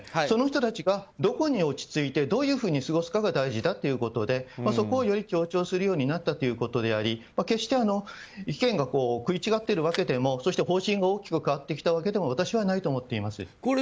その人たちがどこに落ち着いてどういうふうに過ごすかが大事だということでそこをより強調するようになったということであり決して意見が食い違っているわけでも方針が大きく変わってきたわけでも私はないと思っています。